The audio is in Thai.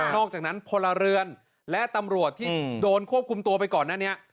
อกจากนั้นพลเรือนและตำรวจที่โดนควบคุมตัวไปก่อนหน้านี้